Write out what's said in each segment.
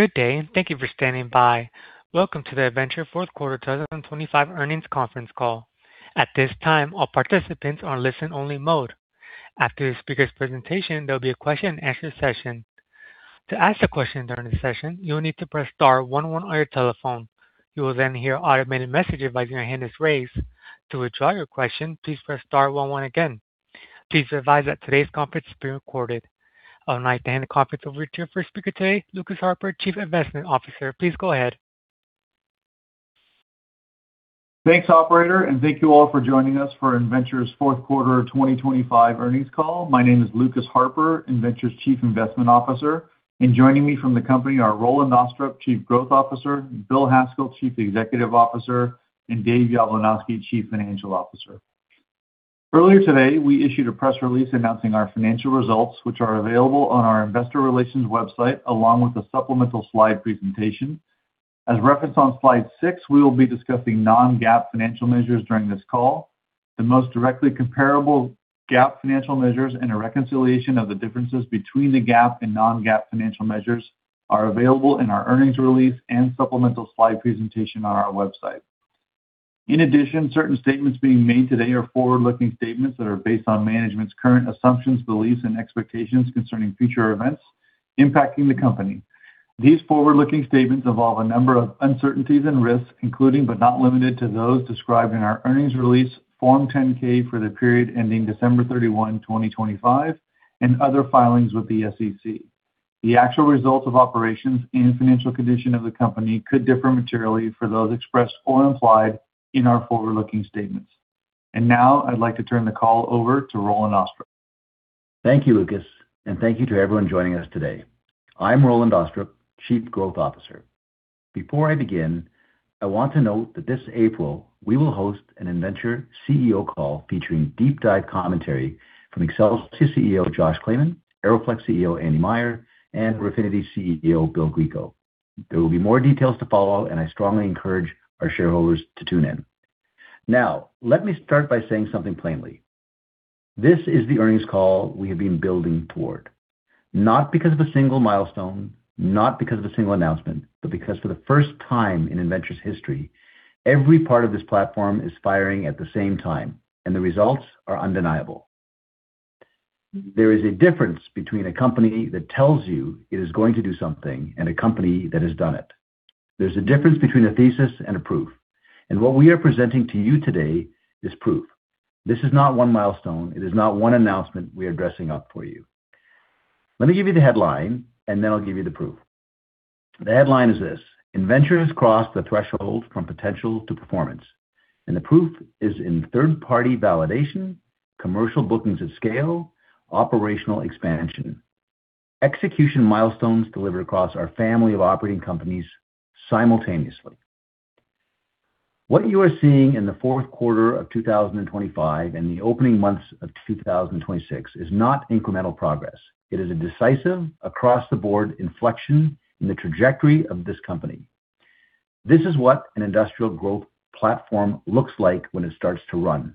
Good day and thank you for standing by. Welcome to the Innventure fourth quarter 2025 earnings conference call. At this time, all participants are in listen-only mode. After the speaker's presentation, there'll be a question-and-answer session. To ask a question during the session, you will need to press star one one on your telephone. You will then hear an automated message advising your hand is raised. To withdraw your question, please press star one one again. Please be advised that today's conference is being recorded. I'll now hand the conference over to your first speaker today, Lucas Harper, Chief Investment Officer. Please go ahead. Thanks, operator, and thank you all for joining us for Innventure's fourth quarter of 2025 earnings call. My name is Lucas Harper, Innventure's Chief Investment Officer, and joining me from the company are Roland Austrup, Chief Growth Officer, Bill Haskell, Chief Executive Officer, and Dave Yablunosky, Chief Financial Officer. Earlier today, we issued a press release announcing our financial results, which are available on our investor relations website, along with a supplemental slide presentation. As referenced on slide six, we will be discussing non-GAAP financial measures during this call. The most directly comparable GAAP financial measures and a reconciliation of the differences between the GAAP and non-GAAP financial measures are available in our earnings release and supplemental slide presentation on our website. In addition, certain statements being made today are forward-looking statements that are based on management's current assumptions, beliefs, and expectations concerning future events impacting the company. These forward-looking statements involve a number of uncertainties and risks, including, but not limited to those described in our earnings release, Form 10-K for the period ending December 31, 2025, and other filings with the SEC. The actual results of operations and financial condition of the company could differ materially from those expressed or implied in our forward-looking statements. Now I'd like to turn the call over to Roland Austrup. Thank you, Lucas, and thank you to everyone joining us today. I'm Roland Austrup, Chief Growth Officer. Before I begin, I want to note that this April, we will host an Innventure CEO call featuring deep dive commentary from Accelsius CEO, Josh Claman, AeroFlexx CEO, Andrew Meyer, and Refinity CEO, Bill Grieco. There will be more details to follow, and I strongly encourage our shareholders to tune in. Now, let me start by saying something plainly. This is the earnings call we have been building toward, not because of a single milestone, not because of a single announcement, but because for the first time in Innventure's history, every part of this platform is firing at the same time, and the results are undeniable. There is a difference between a company that tells you it is going to do something and a company that has done it. There's a difference between a thesis and a proof, and what we are presenting to you today is proof. This is not one milestone. It is not one announcement we are dressing up for you. Let me give you the headline, and then I'll give you the proof. The headline is this: Innventure has crossed the threshold from potential to performance, and the proof is in third-party validation, commercial bookings at scale, operational expansion, execution milestones delivered across our family of operating companies simultaneously. What you are seeing in the fourth quarter of 2025 and the opening months of 2026 is not incremental progress. It is a decisive, across-the-board inflection in the trajectory of this company. This is what an industrial growth platform looks like when it starts to run,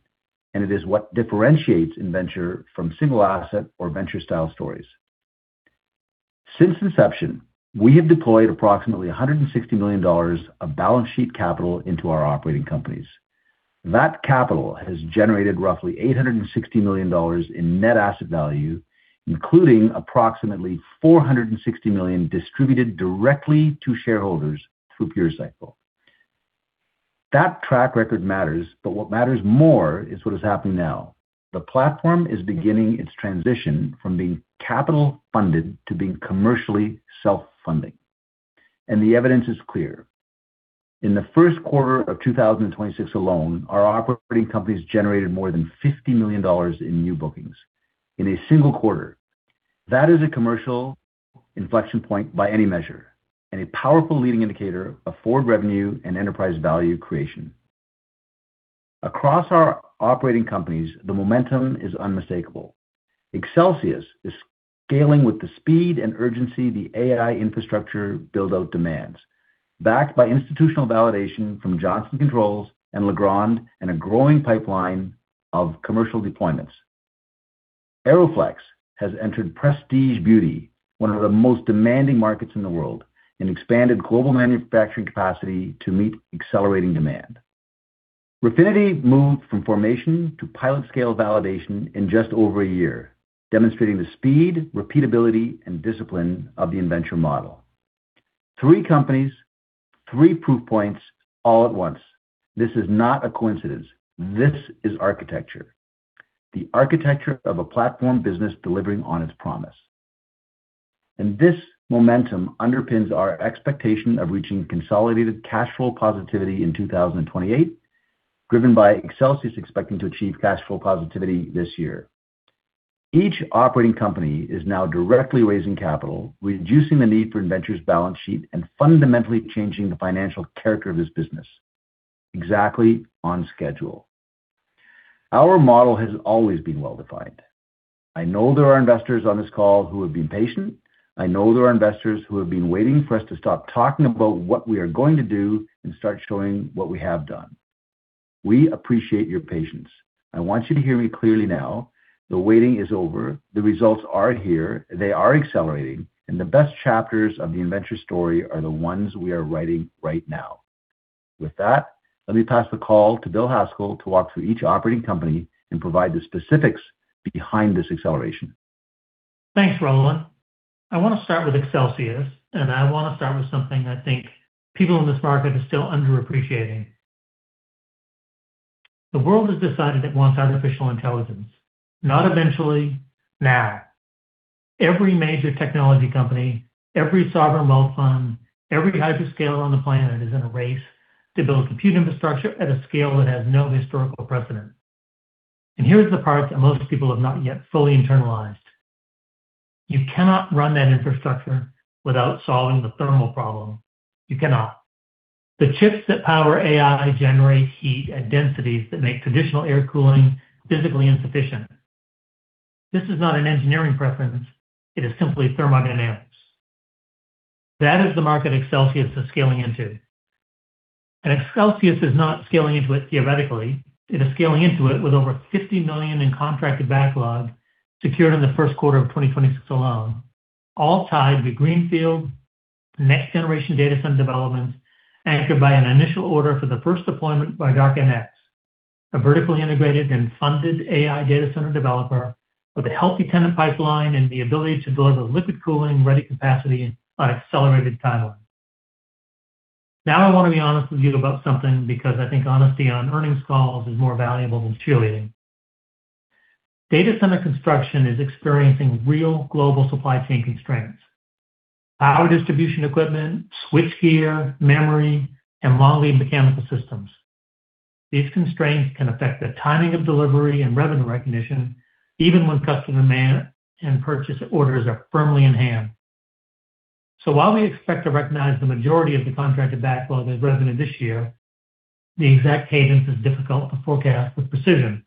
and it is what differentiates Innventure from single asset or venture-style stories. Since inception, we have deployed approximately $160 million of balance sheet capital into our operating companies. That capital has generated roughly $860 million in net asset value, including approximately $460 million distributed directly to shareholders through PureCycle. That track record matters, but what matters more is what is happening now. The platform is beginning its transition from being capital-funded to being commercially self-funding, and the evidence is clear. In the first quarter of 2026 alone, our operating companies generated more than $50 million in new bookings in a single quarter. That is a commercial inflection point by any measure and a powerful leading indicator of forward revenue and enterprise value creation. Across our operating companies, the momentum is unmistakable. Accelsius is scaling with the speed and urgency the AI infrastructure build-out demands, backed by institutional validation from Johnson Controls and Legrand and a growing pipeline of commercial deployments. AeroFlexx has entered prestige beauty, one of the most demanding markets in the world, and expanded global manufacturing capacity to meet accelerating demand. Refinity moved from formation to pilot scale validation in just over a year, demonstrating the speed, repeatability and discipline of the Innventure model. Three companies, three proof points all at once. This is not a coincidence. This is architecture. The architecture of a platform business delivering on its promise. This momentum underpins our expectation of reaching consolidated cash flow positivity in 2028, driven by Accelsius expecting to achieve cash flow positivity this year. Each operating company is now directly raising capital, reducing the need for Innventure's balance sheet and fundamentally changing the financial character of this business exactly on schedule. Our model has always been well-defined. I know there are investors on this call who have been patient. I know there are investors who have been waiting for us to stop talking about what we are going to do and start showing what we have done. We appreciate your patience. I want you to hear me clearly now. The waiting is over. The results are here. They are accelerating, and the best chapters of the Innventure story are the ones we are writing right now. With that, let me pass the call to Bill Haskell to walk through each operating company and provide the specifics behind this acceleration. Thanks, Roland. I want to start with Accelsius, and I want to start with something I think people in this market are still underappreciating. The world has decided it wants artificial intelligence, not eventually, now. Every major technology company, every sovereign wealth fund, every hyperscaler on the planet is in a race to build compute infrastructure at a scale that has no historical precedent. Here is the part that most people have not yet fully internalized. You cannot run that infrastructure without solving the thermal problem. You cannot. The chips that power AI generate heat at densities that make traditional air cooling physically insufficient. This is not an engineering preference. It is simply thermodynamics. That is the market Accelsius is scaling into. Accelsius is not scaling into it theoretically. It is scaling into it with over $50 million in contracted backlog secured in the first quarter of 2026 alone, all tied to greenfield next-generation data center developments anchored by an initial order for the first deployment by DarkNX, a vertically integrated and funded AI data center developer with a healthy tenant pipeline and the ability to deliver liquid-cooling-ready capacity on an accelerated timeline. Now, I want to be honest with you about something, because I think honesty on earnings calls is more valuable than cheerleading. Data center construction is experiencing real global supply chain constraints, power distribution equipment, switchgear, memory, and modular mechanical systems. These constraints can affect the timing of delivery and revenue recognition even when customer demand and purchase orders are firmly in hand. While we expect to recognize the majority of the contracted backlog as revenue this year, the exact cadence is difficult to forecast with precision.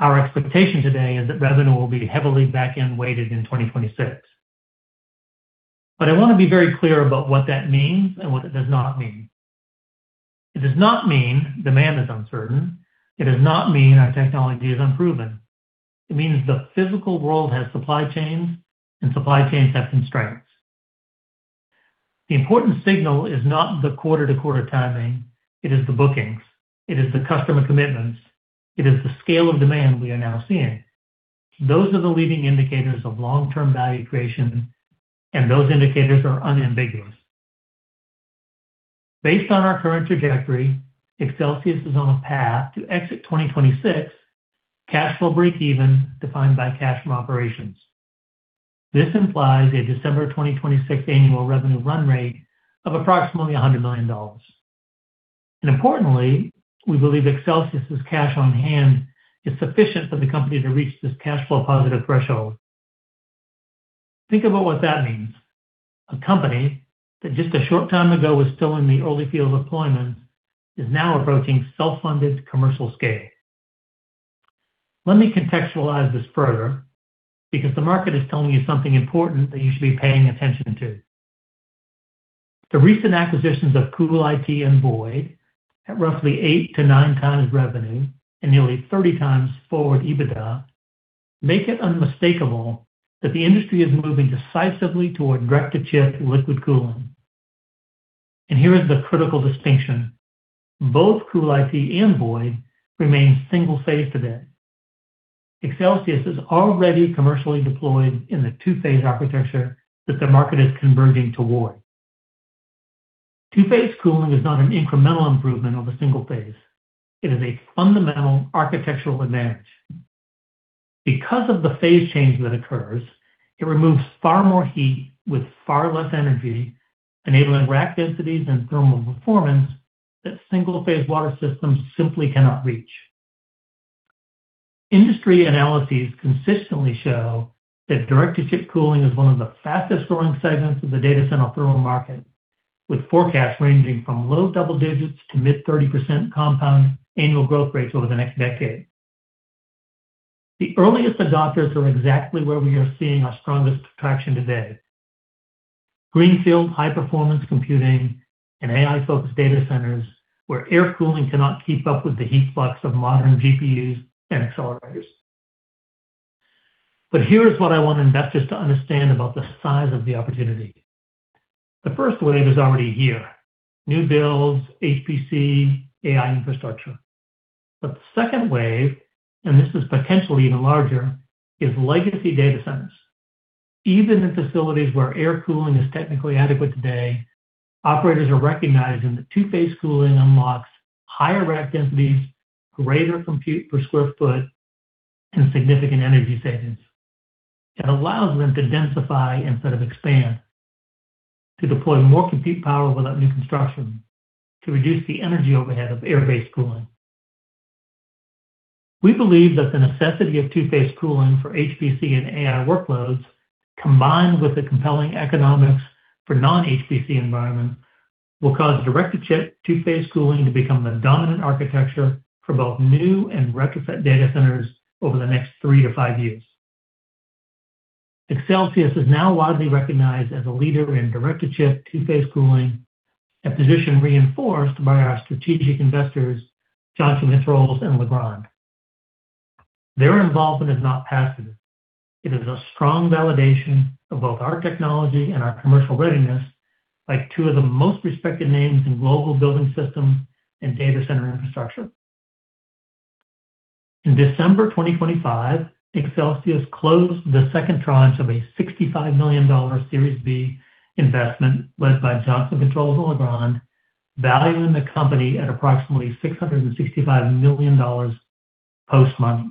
Our expectation today is that revenue will be heavily back-end weighted in 2026. I want to be very clear about what that means and what it does not mean. It does not mean demand is uncertain. It does not mean our technology is unproven. It means the physical world has supply chains, and supply chains have constraints. The important signal is not the quarter-to-quarter timing. It is the bookings. It is the customer commitments. It is the scale of demand we are now seeing. Those are the leading indicators of long-term value creation, and those indicators are unambiguous. Based on our current trajectory, Accelsius is on a path to exit 2026 cash flow breakeven defined by cash from operations. This implies a December 2026 annual revenue run rate of approximately $100 million. Importantly, we believe Accelsius's cash on hand is sufficient for the company to reach this cash flow positive threshold. Think about what that means. A company that, just a short time ago was still in the early field deployments, is now approaching self-funded commercial scale. Let me contextualize this further because the market is telling you something important that you should be paying attention to. The recent acquisitions of CoolIT and Boyd at roughly eight to nine times revenue and nearly 30 times forward EBITDA make it unmistakable that the industry is moving decisively toward direct-to-chip liquid cooling. Here is the critical distinction. Both CoolIT and Boyd remain single phase today. Accelsius is already commercially deployed in the two-phase architecture that the market is converging toward. Two-phase cooling is not an incremental improvement over single phase. It is a fundamental architectural advantage. Because of the phase change that occurs, it removes far more heat with far less energy, enabling rack densities and thermal performance that single-phase water systems simply cannot reach. Industry analyses consistently show that direct-to-chip cooling is one of the fastest growing segments of the data center thermal market, with forecasts ranging from low double digits to mid-30% compound annual growth rates over the next decade. The earliest adopters are exactly where we are seeing our strongest traction today. Greenfield high-performance computing and AI-focused data centers where air cooling cannot keep up with the heat flux of modern GPUs and accelerators. Here is what I want investors to understand about the size of the opportunity. The first wave is already here. New builds, HPC, AI infrastructure. The second wave, and this is potentially even larger, is legacy data centers. Even in facilities where air cooling is technically adequate today, operators are recognizing that two-phase cooling unlocks higher rack densities, greater compute per square foot, and significant energy savings. It allows them to densify instead of expand, to deploy more compute power without new construction, to reduce the energy overhead of air-based cooling. We believe that the necessity of two-phase cooling for HPC and AI workloads, combined with the compelling economics for non-HPC environments, will cause direct-to-chip two-phase cooling to become the dominant architecture for both new and retrofit data centers over the next three to five years. Accelsius is now widely recognized as a leader in direct-to-chip two-phase cooling, a position reinforced by our strategic investors, Johnson Controls and Legrand. Their involvement is not passive. It is a strong validation of both our technology and our commercial readiness by two of the most respected names in global building systems and data center infrastructure. In December 2025, Accelsius closed the second tranche of a $65 million Series B investment led by Johnson Controls and Legrand, valuing the company at approximately $665 million post-money.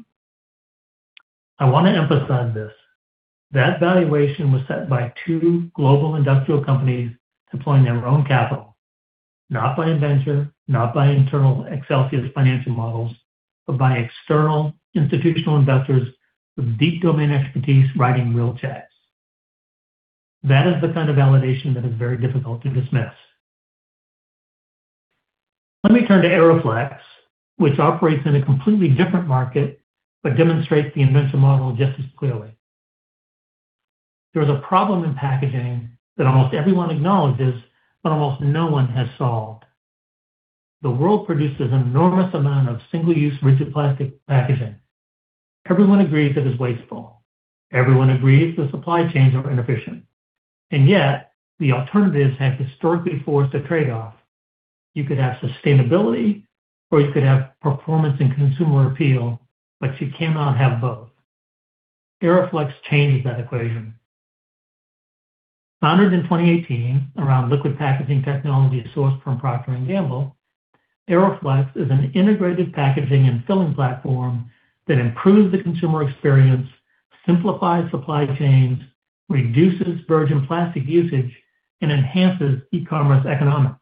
I want to emphasize this. That valuation was set by two global industrial companies deploying their own capital, not by Innventure, not by internal Accelsius financial models, but by external institutional investors with deep domain expertise writing real checks. That is the kind of validation that is very difficult to dismiss. Let me turn to AeroFlexx, which operates in a completely different market but demonstrates the Innventure model just as clearly. There is a problem in packaging that almost everyone acknowledges, but almost no one has solved. The world produces an enormous amount of single-use rigid plastic packaging. Everyone agrees it is wasteful. Everyone agrees the supply chains are inefficient. Yet, the alternatives have historically forced a trade-off. You could have sustainability or you could have performance and consumer appeal, but you cannot have both. AeroFlexx changes that equation. Founded in 2018 around liquid packaging technology sourced from Procter & Gamble, AeroFlexx is an integrated packaging and filling platform that improves the consumer experience, simplifies supply chains, reduces virgin plastic usage, and enhances e-commerce economics.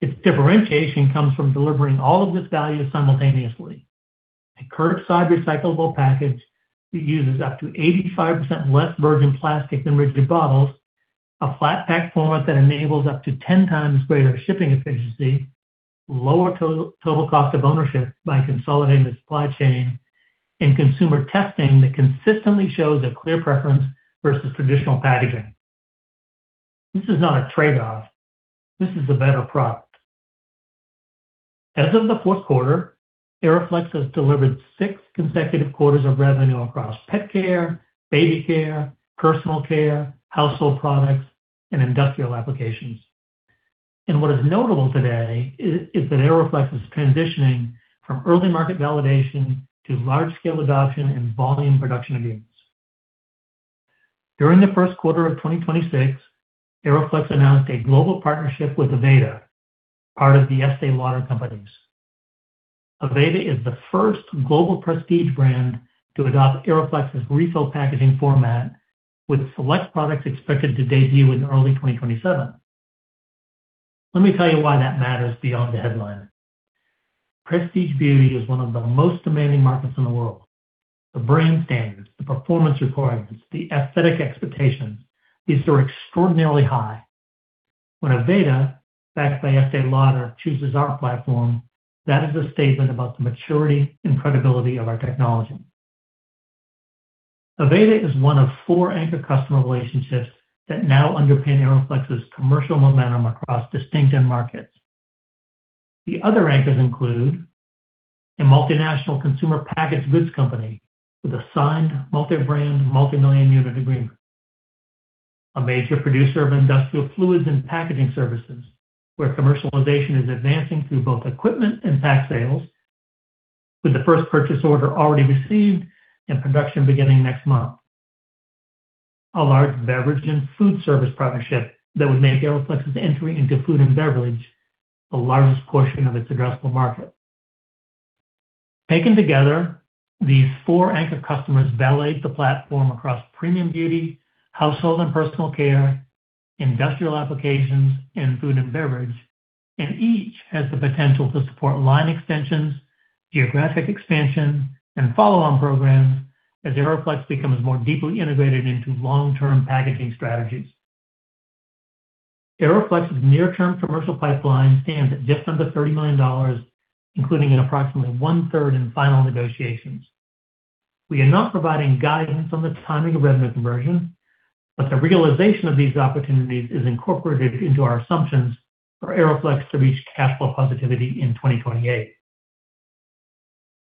Its differentiation comes from delivering all of this value simultaneously. A curbside recyclable package that uses up to 85% less virgin plastic than rigid bottles, a flat pack format that enables up to 10 times greater shipping efficiency, lower total cost of ownership by consolidating the supply chain, and consumer testing that consistently shows a clear preference versus traditional packaging. This is not a trade-off. This is a better product. As of the fourth quarter, AeroFlexx has delivered six consecutive quarters of revenue across pet care, baby care, personal care, household products, and industrial applications. What is notable today is that AeroFlexx is transitioning from early market validation to large-scale adoption and volume production gains. During the first quarter of 2026, AeroFlexx announced a global partnership with Aveda, part of the Estée Lauder Companies. Aveda is the first global prestige brand to adopt AeroFlexx's refill packaging format with select products expected to debut in early 2027. Let me tell you why that matters beyond the headline. Prestige beauty is one of the most demanding markets in the world. The brand standards, the performance requirements, the aesthetic expectations, these are extraordinarily high. When Aveda, backed by Estée Lauder, chooses our platform, that is a statement about the maturity and credibility of our technology. Aveda is one of four anchor customer relationships that now underpin AeroFlexx's commercial momentum across distinct end markets. The other anchors include a multinational consumer packaged goods company with a signed multi-brand, multi-million-unit agreement, a major producer of industrial fluids and packaging services, where commercialization is advancing through both equipment and pack sales, with the first purchase order already received and production beginning next month, a large beverage and food service partnership that would make AeroFlexx's entry into food and beverage the largest portion of its addressable market. Taken together, these four anchor customers validate the platform across premium beauty, household and personal care, industrial applications, and food and beverage, and each has the potential to support line extensions, geographic expansion, and follow-on programs as AeroFlexx becomes more deeply integrated into long-term packaging strategies. AeroFlexx's near-term commercial pipeline stands at just under $30 million, including an approximately 1/3 in final negotiations. We are not providing guidance on the timing of revenue conversion, but the realization of these opportunities is incorporated into our assumptions for AeroFlexx to reach cash flow positivity in 2028.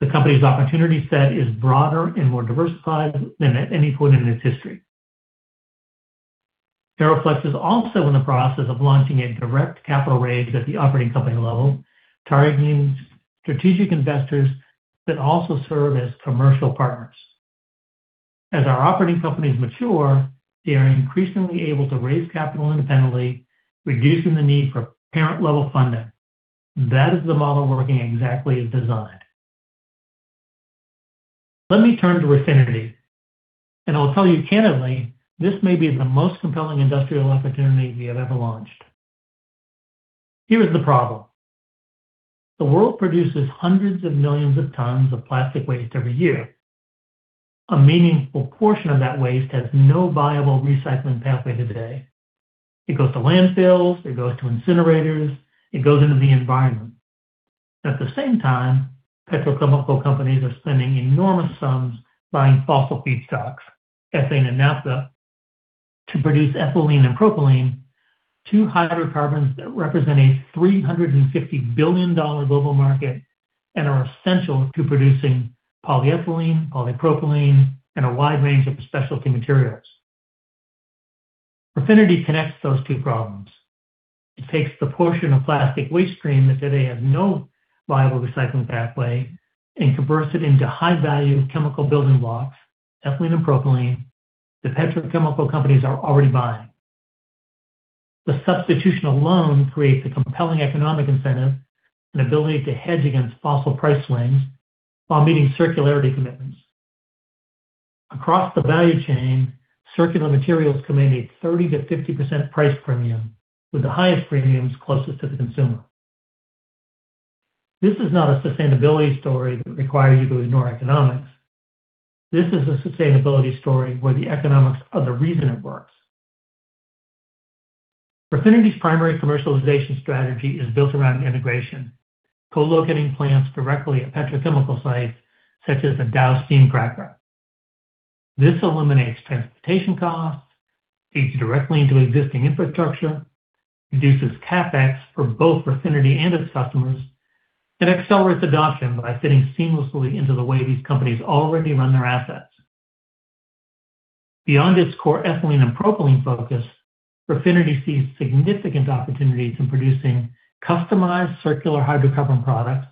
The company's opportunity set is broader and more diversified than at any point in its history. AeroFlexx is also in the process of launching a direct capital raise at the operating company level, targeting strategic investors that also serve as commercial partners. As our operating companies mature, they are increasingly able to raise capital independently, reducing the need for parent-level funding. That is the model working exactly as designed. Let me turn to Refinity, and I'll tell you candidly, this may be the most compelling industrial opportunity we have ever launched. Here is the problem. The world produces hundreds of millions of tons of plastic waste every year. A meaningful portion of that waste has no viable recycling pathway today. It goes to landfills, it goes to incinerators, it goes into the environment. At the same time, petrochemical companies are spending enormous sums buying fossil feedstocks, ethane and naphtha, to produce ethylene and propylene, two hydrocarbons that represent a $350 billion global market and are essential to producing polyethylene, polypropylene, and a wide range of specialty materials. Refinity connects those two problems. It takes the portion of plastic waste stream that today have no viable recycling pathway and converts it into high-value chemical building blocks, ethylene and propylene, that petrochemical companies are already buying. The substitution alone creates a compelling economic incentive and ability to hedge against fossil price swings while meeting circularity commitments. Across the value chain, circular materials command a 30%-50% price premium, with the highest premiums closest to the consumer. This is not a sustainability story that requires you to ignore economics. This is a sustainability story where the economics are the reason it works. Refinity's primary commercialization strategy is built around integration, co-locating plants directly at petrochemical sites such as a Dow steam cracker. This eliminates transportation costs, feeds directly into existing infrastructure, reduces CapEx for both Refinity and its customers, and accelerates adoption by fitting seamlessly into the way these companies already run their assets. Beyond its core ethylene and propylene focus, Refinity sees significant opportunities in producing customized circular hydrocarbon products,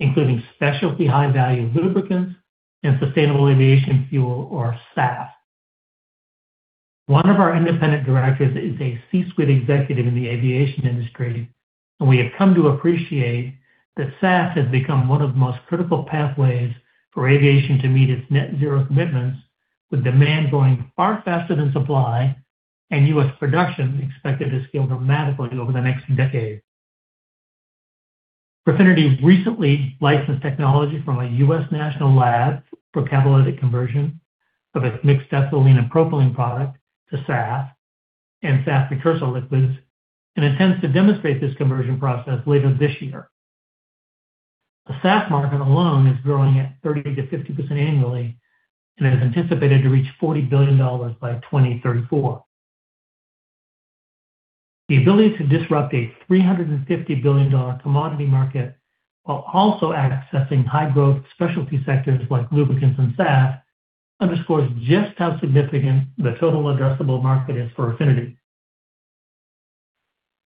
including specialty high-value lubricants and sustainable aviation fuel or SAF. One of our independent directors is a C-suite executive in the aviation industry, and we have come to appreciate that SAF has become one of the most critical pathways for aviation to meet its net zero commitments, with demand growing far faster than supply and U.S. production expected to scale dramatically over the next decade. Refinity recently licensed technology from a U.S. national lab for catalytic conversion of its mixed ethylene and propylene product to SAF and SAF precursor liquids, and intends to demonstrate this conversion process later this year. The SAF market alone is growing at 30%-50% annually and is anticipated to reach $40 billion by 2034. The ability to disrupt a $350 billion commodity market while also accessing high-growth specialty sectors like lubricants and SAF underscores just how significant the total addressable market is for Refinity.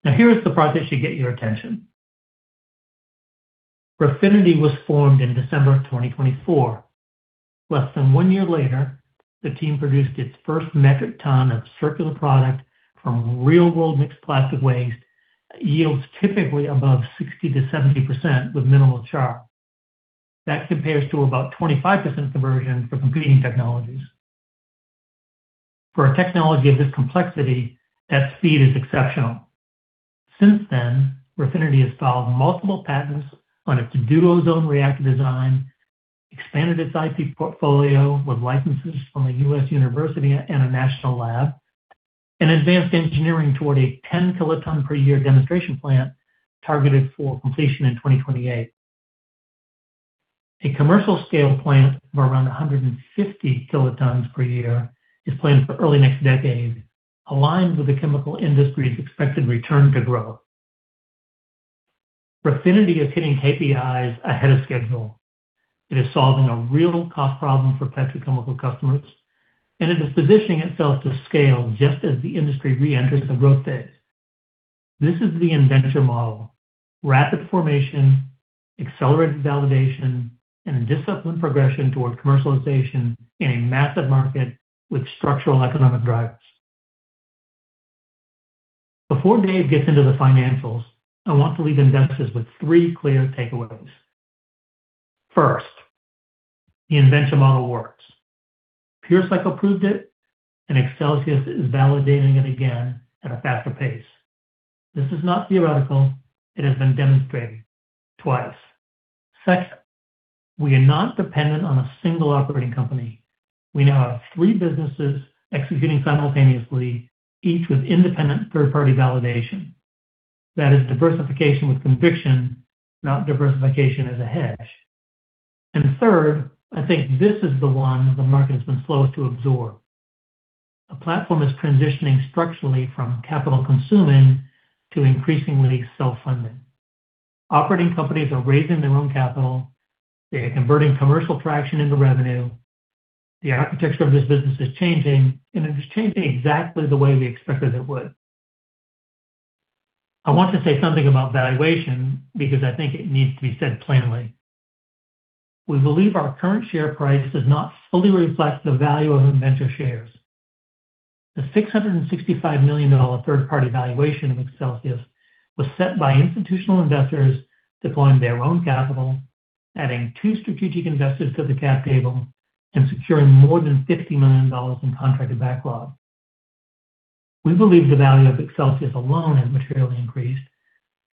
Now, here is the part that should get your attention. Refinity was formed in December 2024. Less than one year later, the team produced its first metric ton of circular product from real-world mixed plastic waste yields typically above 60%-70% with minimal char. That compares to about 25% conversion for competing technologies. For a technology of this complexity, that speed is exceptional. Since then, Refinity has filed multiple patents on its DuoZone reactor design, expanded its IP portfolio with licenses from a U.S. university and a national lab, and advanced engineering toward a 10 kt/yr demonstration plant targeted for completion in 2028. A commercial-scale plant of around 150 kt/yr is planned for early next decade, aligned with the chemical industry's expected return to growth. Refinity is hitting KPIs ahead of schedule. It is solving a real cost problem for petrochemical customers, and it is positioning itself to scale just as the industry reenters the growth phase. This is the Innventure model. Rapid formation, accelerated validation, and a disciplined progression toward commercialization in a massive market with structural economic drivers. Before Dave gets into the financials, I want to leave investors with three clear takeaways. First, the Innventure model works. PureCycle proved it, and Accelsius is validating it again at a faster pace. This is not theoretical. It has been demonstrated twice. Second, we are not dependent on a single operating company. We now have three businesses executing simultaneously, each with independent third-party validation. That is diversification with conviction, not diversification as a hedge. Third, I think this is the one the market has been slow to absorb. A platform is transitioning structurally from capital consuming to increasingly self-funded. Operating companies are raising their own capital. They are converting commercial traction into revenue. The architecture of this business is changing, and it is changing exactly the way we expected it would. I want to say something about valuation because I think it needs to be said plainly. We believe our current share price does not fully reflect the value of Innventure shares. The $665 million third-party valuation of Accelsius was set by institutional investors deploying their own capital, adding two strategic investors to the cap table, and securing more than $50 million in contracted backlog. We believe the value of Accelsius alone has materially increased,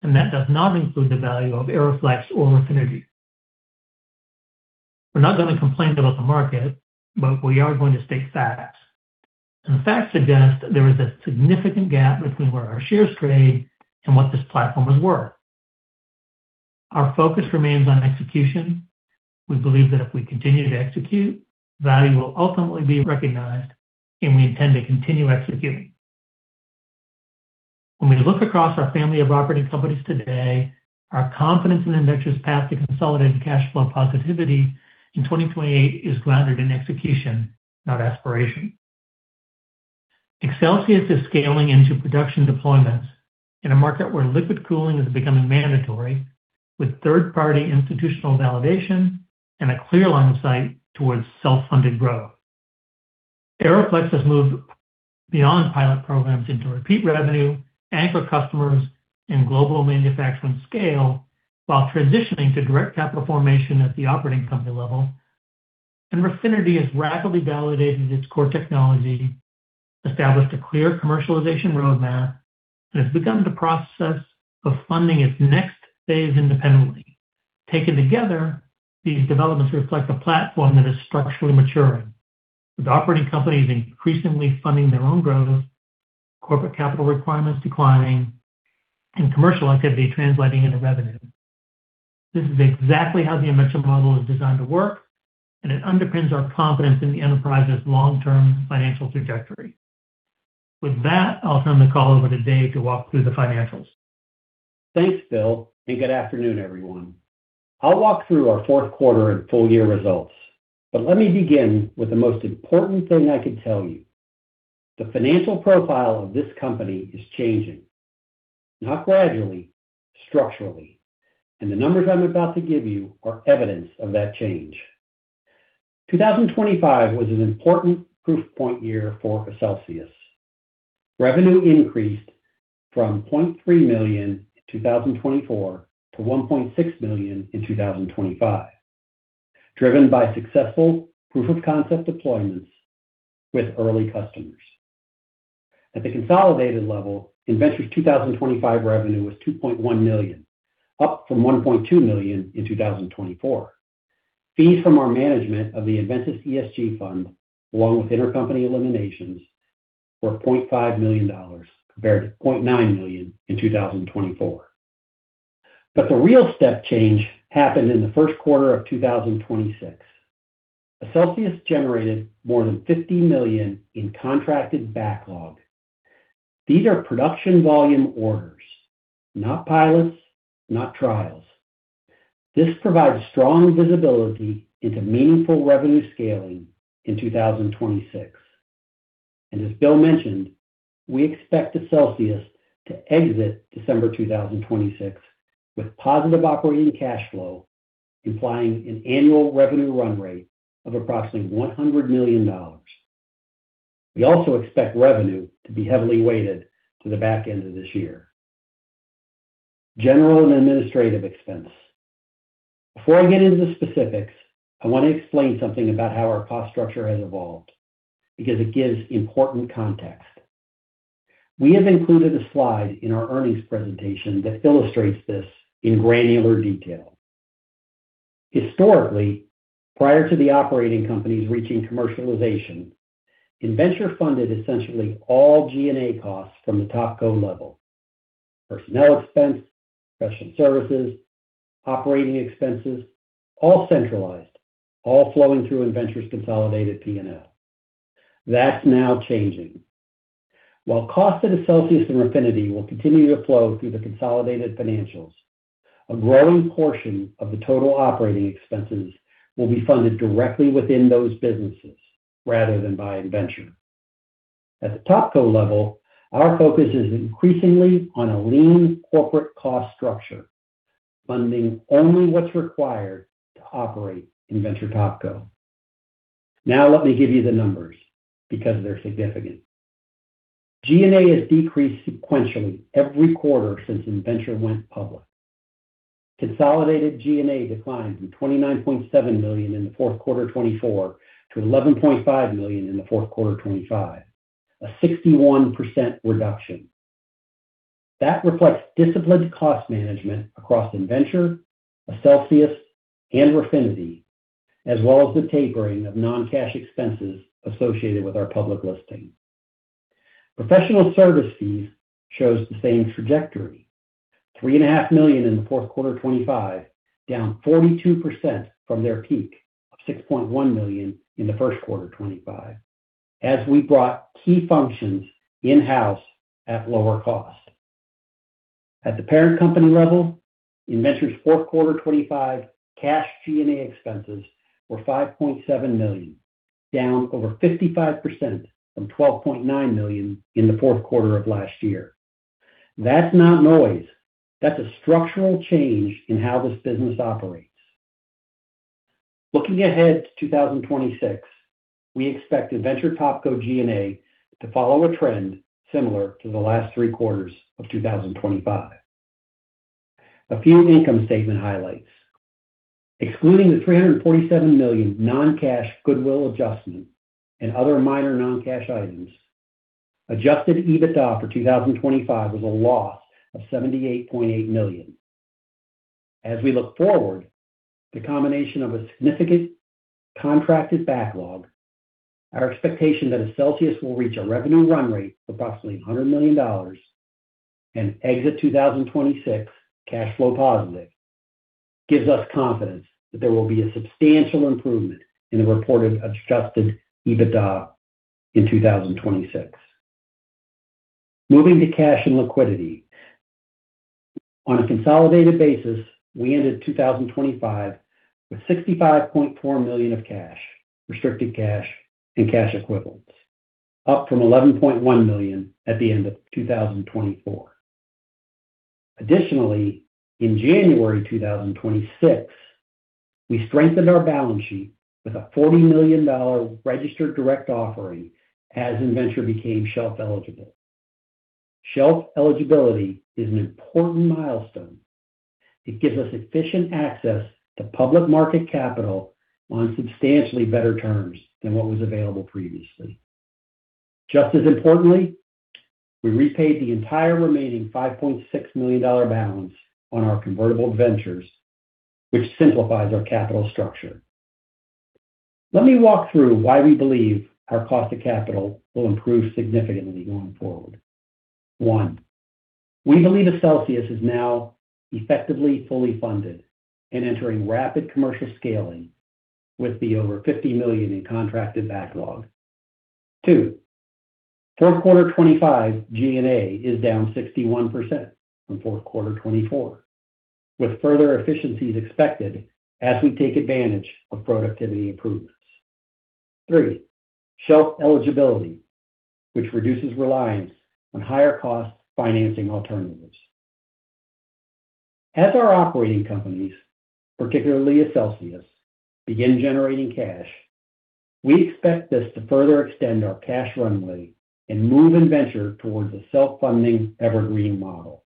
and that does not include the value of AeroFlexx or Refinity. We're not gonna complain about the market, but we are going to state facts. The facts suggest there is a significant gap between where our shares trade and what this platform is worth. Our focus remains on execution. We believe that if we continue to execute, value will ultimately be recognized, and we intend to continue executing. When we look across our family of operating companies today, our confidence in Innventure's path to consolidated cash flow positivity in 2028 is grounded in execution, not aspiration. Accelsius is scaling into production deployments in a market where liquid cooling is becoming mandatory with third-party institutional validation and a clear line of sight towards self-funded growth. AeroFlexx has moved beyond pilot programs into repeat revenue, anchor customers, and global manufacturing scale while transitioning to direct capital formation at the operating company level. Refinity has rapidly validated its core technology, established a clear commercialization roadmap, and has begun the process of funding its next phase independently. Taken together, these developments reflect a platform that is structurally maturing, with operating companies increasingly funding their own growth, corporate capital requirements declining, and commercial activity translating into revenue. This is exactly how the Innventure model is designed to work, and it underpins our confidence in the enterprise's long-term financial trajectory. With that, I'll turn the call over to Dave to walk through the financials. Thanks, Bill, and good afternoon, everyone. I'll walk through our fourth quarter and full year results, but let me begin with the most important thing I could tell you. The financial profile of this company is changing, not gradually, structurally, and the numbers I'm about to give you are evidence of that change. 2025 was an important proof point year for Accelsius. Revenue increased from $0.3 million in 2024 to $1.6 million in 2025, driven by successful proof of concept deployments with early customers. At the consolidated level, Innventure's 2025 revenue was $2.1 million, up from $1.2 million in 2024. Fees from our management of the Innventure ESG fund, along with intercompany eliminations, were $0.5 million compared to $0.9 million in 2024. The real step change happened in the first quarter of 2026. Accelsius generated more than $50 million in contracted backlog. These are production volume orders, not pilots, not trials. This provides strong visibility into meaningful revenue scaling in 2026. As Bill mentioned, we expect Accelsius to exit December 2026 with positive operating cash flow, implying an annual revenue run rate of approximately $100 million. We also expect revenue to be heavily weighted to the back end of this year. General and administrative expense. Before I get into specifics, I want to explain something about how our cost structure has evolved because it gives important context. We have included a slide in our earnings presentation that illustrates this in granular detail. Historically, prior to the operating companies reaching commercialization, Innventure funded essentially all G&A costs from the TopCo level. Personnel expense, professional services, operating expenses, all centralized, all flowing through Innventure's consolidated P&L. That's now changing. While costs at Accelsius and Refinity will continue to flow through the consolidated financials, a growing portion of the total operating expenses will be funded directly within those businesses rather than by Innventure. At the TopCo level, our focus is increasingly on a lean corporate cost structure, funding only what's required to operate Innventure Topco. Now let me give you the numbers because they're significant. G&A has decreased sequentially every quarter since Innventure went public. Consolidated G&A declined from $29.7 million in the fourth quarter 2024 to $11.5 million in the fourth quarter 2025, a 61% reduction. That reflects disciplined cost management across Innventure, Accelsius, and Refinity, as well as the tapering of non-cash expenses associated with our public listing. Professional service fees shows the same trajectory, $3.5 million in the fourth quarter 2025, down 42% from their peak of $6.1 million in the first quarter 2025 as we brought key functions in-house at lower cost. At the parent company level, Innventure's fourth quarter 2025 cash G&A expenses were $5.7 million, down over 55% from $12.9 million in the fourth quarter of last year. That's not noise. That's a structural change in how this business operates. Looking ahead to 2026, we expect Innventure Topco G&A to follow a trend similar to the last three quarters of 2025. A few income statement highlights. Excluding the $347 million non-cash goodwill adjustment and other minor non-cash items, adjusted EBITDA for 2025 was a loss of $78.8 million. As we look forward, the combination of a significant contracted backlog, our expectation that Accelsius will reach a revenue run rate of approximately $100 million, and exit 2026 cash flow positive gives us confidence that there will be a substantial improvement in the reported adjusted EBITDA in 2026. Moving to cash and liquidity. On a consolidated basis, we ended 2025 with $65.4 million of cash, restricted cash, and cash equivalents, up from $11.1 million at the end of 2024. Additionally, in January 2026, we strengthened our balance sheet with a $40 million registered direct offering as Innventure became shelf-eligible. Shelf eligibility is an important milestone. It gives us efficient access to public market capital on substantially better terms than what was available previously. Just as importantly, we repaid the entire remaining $5.6 million balance on our convertible debentures, which simplifies our capital structure. Let me walk through why we believe our cost of capital will improve significantly going forward. One, we believe Accelsius is now effectively fully funded and entering rapid commercial scaling with the over $50 million in contracted backlog. Two, fourth quarter 2025 G&A is down 61% from fourth quarter 2024, with further efficiencies expected as we take advantage of productivity improvements. Three, shelf eligibility, which reduces reliance on higher cost financing alternatives. As our operating companies, particularly Accelsius, begin generating cash, we expect this to further extend our cash runway and move Innventure towards a self-funding evergreen model.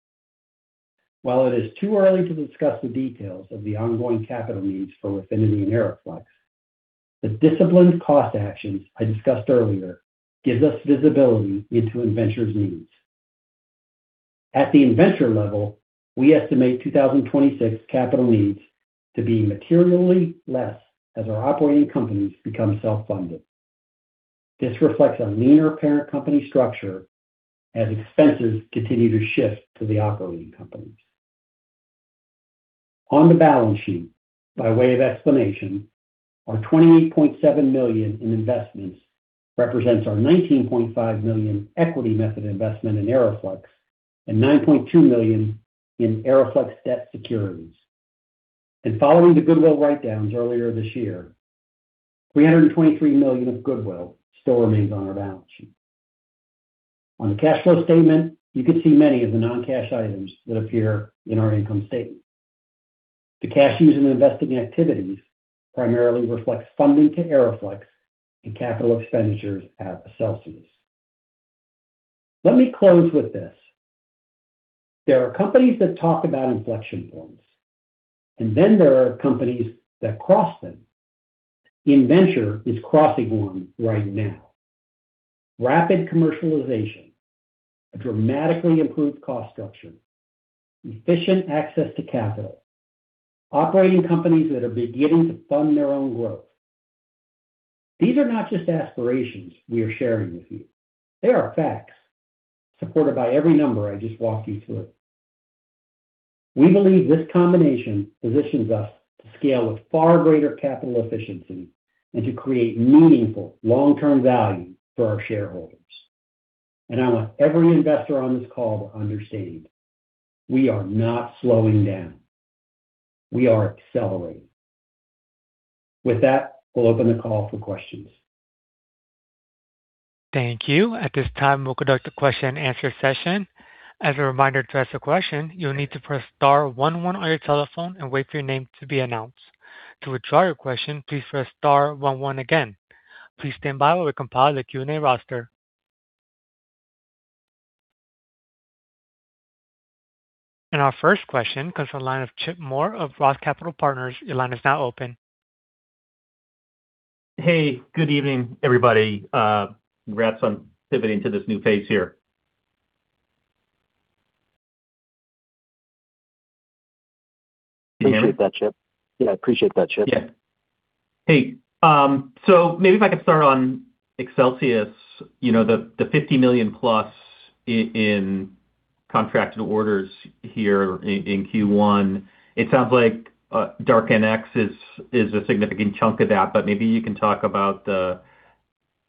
While it is too early to discuss the details of the ongoing capital needs for Refinity and AeroFlexx, the disciplined cost actions I discussed earlier gives us visibility into Innventure's needs. At the Innventure level, we estimate 2026 capital needs to be materially less as our operating companies become self-funded. This reflects a leaner parent company structure as expenses continue to shift to the operating companies. On the balance sheet, by way of explanation, our $28.7 million in investments represents our $19.5 million equity method investment in AeroFlexx and $9.2 million in AeroFlexx debt securities. Following the goodwill write-downs earlier this year, $323 million of goodwill still remains on our balance sheet. On the cash flow statement, you can see many of the non-cash items that appear in our income statement. The cash used in investing activities primarily reflects funding to AeroFlexx and capital expenditures at Accelsius. Let me close with this. There are companies that talk about inflection points, and then there are companies that cross them. Innventure is crossing one right now. Rapid commercialization, a dramatically improved cost structure, efficient access to capital, operating companies that are beginning to fund their own growth. These are not just aspirations we are sharing with you. They are facts supported by every number I just walked you through. We believe this combination positions us to scale with far greater capital efficiency and to create meaningful long-term value for our shareholders. I want every investor on this call to understand, we are not slowing down. We are accelerating. With that, we'll open the call for questions. Thank you. At this time, we'll conduct a question-and-answer session. As a reminder, to ask a question, you'll need to press star one one on your telephone and wait for your name to be announced. To withdraw your question, please press star one one again. Please stand by while we compile the Q&A roster. Our first question comes from the line of Chip Moore of ROTH Capital Partners. Your line is now open. Hey, good evening, everybody. Congrats on pivoting to this new phase here. Appreciate that, Chip. Yeah, appreciate that, Chip. Yeah. Hey, maybe if I could start on Accelsius. You know, the $50 million+ in contracted orders here in Q1, it sounds like DarkNX is a significant chunk of that. Maybe you can talk about the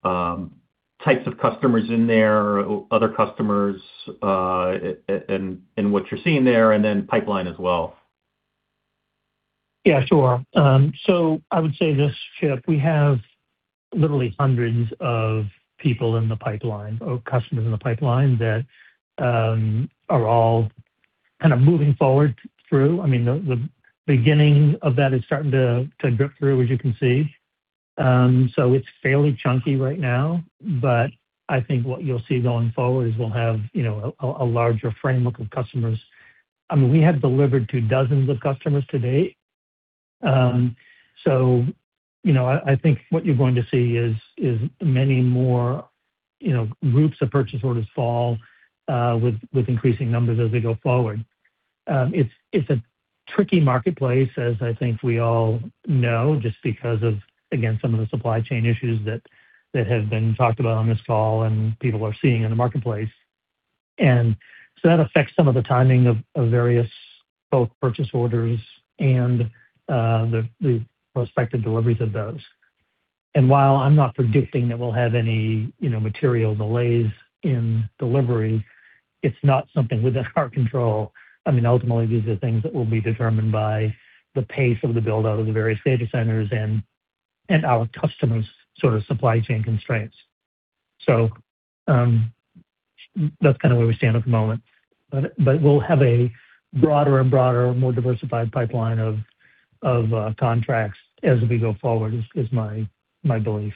types of customers in there, other customers, and what you're seeing there, and then pipeline as well. Yeah, sure. I would say this, Chip, we have literally hundreds of people in the pipeline or customers in the pipeline that are all kind of moving forward through. I mean, the beginning of that is starting to drip through, as you can see. It's fairly chunky right now, but I think what you'll see going forward is we'll have, you know, a larger framework of customers. I mean, we have delivered to dozens of customers to date. You know, I think what you're going to see is many more, you know, groups of purchase orders fall with increasing numbers as they go forward. It's a tricky marketplace, as I think we all know, just because of, again, some of the supply chain issues that have been talked about on this call and people are seeing in the marketplace. That affects some of the timing of various both purchase orders and the prospective deliveries of those. While I'm not predicting that we'll have any, you know, material delays in delivery, it's not something within our control. I mean, ultimately, these are things that will be determined by the pace of the build-out of the various data centers and our customers' sort of supply chain constraints. That's kind of where we stand at the moment. We'll have a broader and broader, more diversified pipeline of contracts as we go forward is my belief.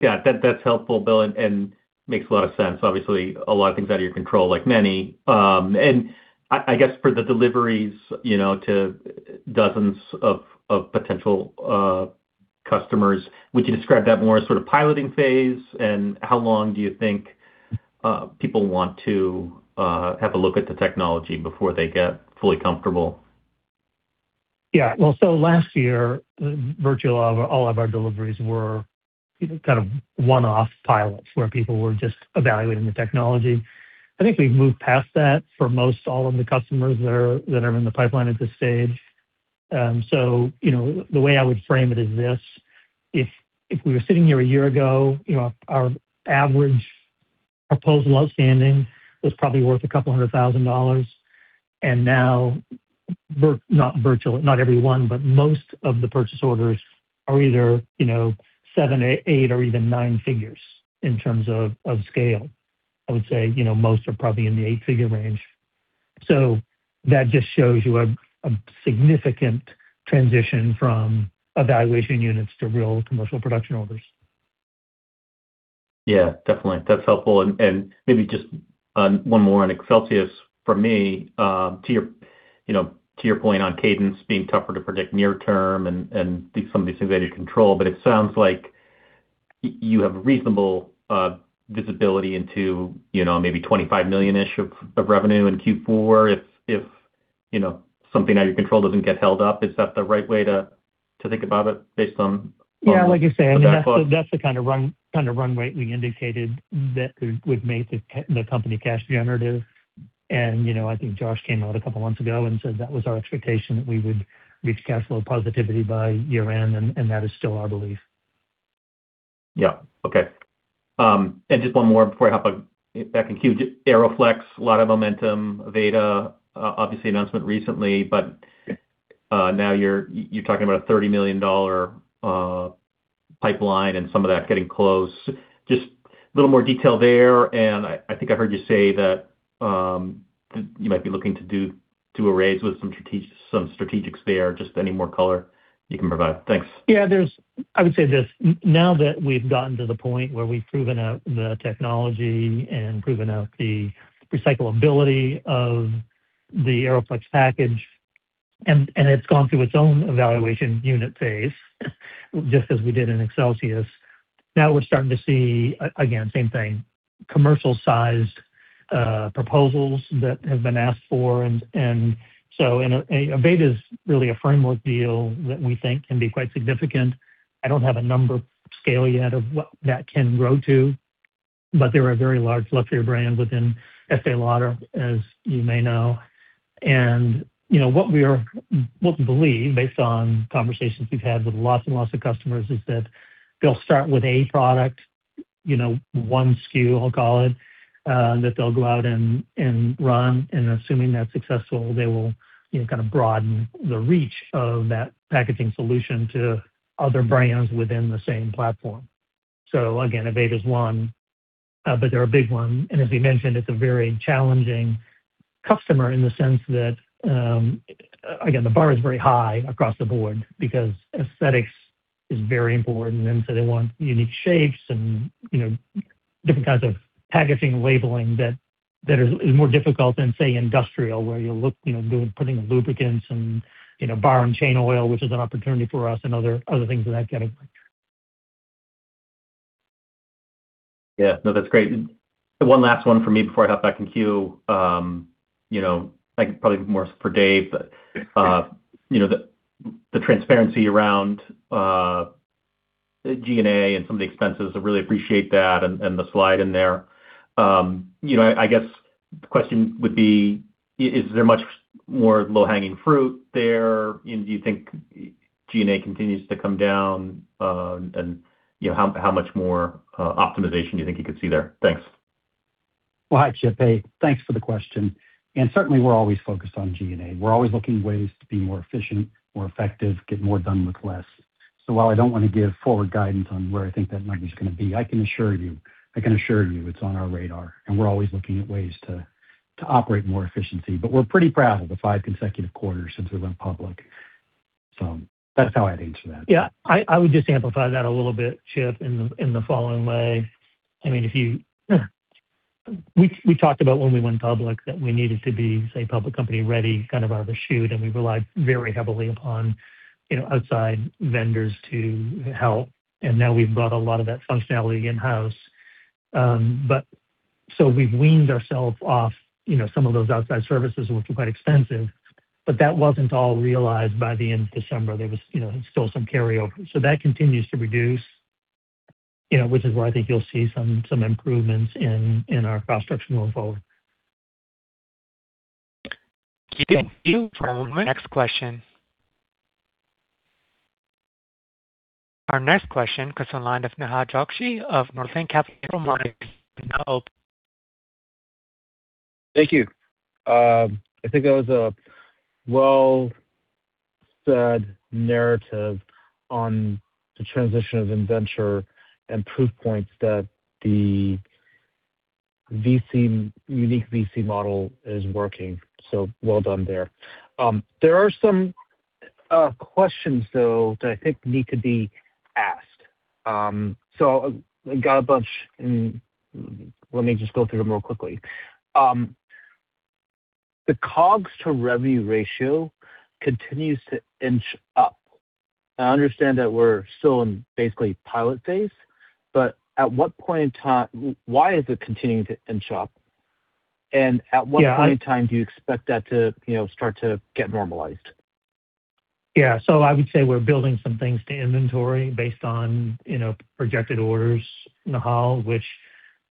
Yeah. That's helpful, Bill, and makes a lot of sense. Obviously, a lot of things out of your control, like many. I guess for the deliveries, you know, to dozens of potential customers, would you describe that more as sort of piloting phase, and how long do you think people want to have a look at the technology before they get fully comfortable? Yeah. Well, last year, virtually all of our deliveries were kind of one-off pilots, where people were just evaluating the technology. I think we've moved past that for most all of the customers that are in the pipeline at this stage. You know, the way I would frame it is this: if we were sitting here a year ago, you know, our average proposal outstanding was probably worth a couple hundred thousand dollars. Now, not everyone, but most of the purchase orders are either, you know, seven-, eight-, or even nine-figures in terms of scale. I would say, you know, most are probably in the eight-figure range. That just shows you a significant transition from evaluation units to real commercial production orders. Yeah, definitely. That's helpful. Maybe just one more on Accelsius for me, to your, you know, to your point on cadence being tougher to predict near term and some of these things out of your control, but it sounds like you have reasonable visibility into, you know, maybe $25 million-ish of revenue in Q4 if you know, something out of your control doesn't get held up. Is that the right way to think about it based on. Yeah. The backlog? I mean, that's the kind of runway we indicated that would make the company cash generative. You know, I think Josh came out a couple months ago and said that was our expectation, that we would reach cash flow positivity by year-end, and that is still our belief. Yeah. Okay. Just one more before I hop back in queue. AeroFlexx, a lot of momentum. Aveda, obviously announcement recently, but now you're talking about a $30 million pipeline and some of that getting close. Just a little more detail there, and I think I heard you say that you might be looking to do a raise with some strategics there. Just any more color you can provide? Thanks. Yeah. I would say this, now that we've gotten to the point where we've proven out the technology and proven out the recyclability of the AeroFlexx package, and it's gone through its own evaluation unit phase, just as we did in Accelsius, now we're starting to see, again, same thing, commercial-sized proposals that have been asked for. Aveda’s really a framework deal that we think can be quite significant. I don't have a number scale yet of what that can grow to, but they're a very large luxury brand within Estée Lauder, as you may know. You know, what we believe, based on conversations we've had with lots and lots of customers, is that they'll start with a product, you know, one SKU I'll call it, that they'll go out and run. Assuming that's successful, they will, you know, kind of broaden the reach of that packaging solution to other brands within the same platform. Again, Aveda is one, but they're a big one. As we mentioned, it's a very challenging customer in the sense that, again, the bar is very high across the board because aesthetics is very important. They want unique shapes and, you know, different kinds of packaging, labeling that is more difficult than, say, industrial, where you're, you know, doing putting in lubricants and, you know, bar and chain oil, which is an opportunity for us and other things of that kind. Yeah. No, that's great. One last one from me before I hop back in queue. You know, I can, probably it's more for Dave, but you know, the transparency around G&A and some of the expenses, I really appreciate that and the slide in there. You know, I guess the question would be, is there much more low-hanging fruit there? Do you think G&A continues to come down? You know, how much more optimization do you think you could see there? Thanks. Well, hi, Chip. Hey, thanks for the question. Certainly, we're always focused on G&A. We're always looking at ways to be more efficient, more effective, get more done with less. While I don't wanna give forward guidance on where I think that number's gonna be, I can assure you it's on our radar, and we're always looking at ways to operate more efficiency. We're pretty proud of the five consecutive quarters since we went public. That's how I'd answer that. Yeah, I would just amplify that a little bit, Chip, in the following way. I mean, we talked about when we went public that we needed to be, say, public company ready kind of out of the chute, and we relied very heavily upon, you know, outside vendors to help. Now we've brought a lot of that functionality in-house. But so we've weaned ourselves off, you know, some of those outside services, which were quite expensive, but that wasn't all realized by the end of December. There was, you know, still some carryover. That continues to reduce, you know, which is why I think you'll see some improvements in our cost structure moving forward. Thank you. Our next question comes from the line of Nehal Chokshi of Northland Capital Markets. Thank you. I think that was a well-said narrative on the transition of Innventure and proof points that the VC model is working, so well done there. There are some questions, though, that I think need to be asked. I got a bunch, and let me just go through them real quickly. The COGS to revenue ratio continues to inch up. I understand that we're still in basically pilot phase, but at what point in time, why is it continuing to inch up? At what point in time do you expect that to, you know, start to get normalized? Yeah. I would say we're building some things to inventory based on, you know, projected orders, Nehal, which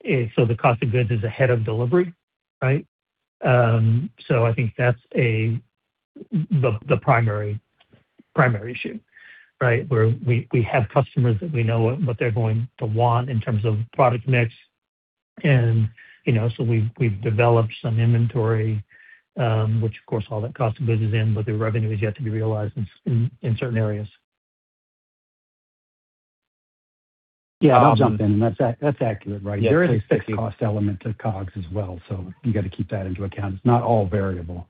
is the cost of goods is ahead of delivery, right? I think that's the primary issue, right? Where we have customers that we know what they're going to want in terms of product mix. You know, we've developed some inventory, which of course all that cost of goods is in, but the revenue is yet to be realized in certain areas. Yeah, I'll jump in. That's accurate, right? There is a fixed cost element to COGS as well, so you got to keep that into account. It's not all variable.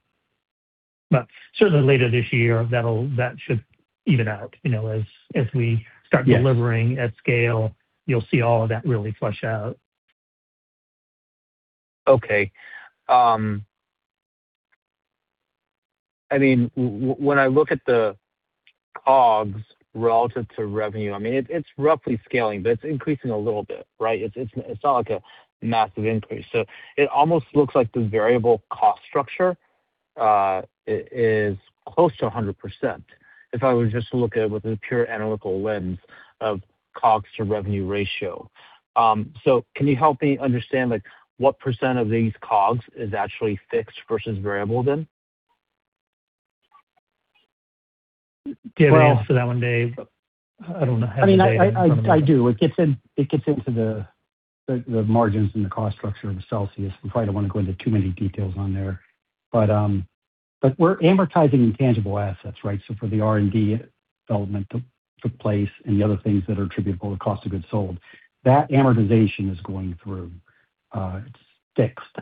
Certainly later this year, that should even out, you know, as we start delivering at scale, you'll see all of that really flesh out. Okay. I mean, when I look at the COGS relative to revenue, I mean, it's roughly scaling, but it's increasing a little bit, right? It's not like a massive increase. It almost looks like the variable cost structure is close to 100%. If I were just to look at it with a pure analytical lens of COGS to revenue ratio. Can you help me understand, like, what percent of these COGS is actually fixed versus variable then? Do you have an answer to that one, Dave? I don't know. I mean, I do. It gets into the margins and the cost structure of Accelsius. We probably don't want to go into too many details on there. We're amortizing intangible assets, right? For the R&D development took place and the other things that are attributable to cost of goods sold, that amortization is going through, it's fixed.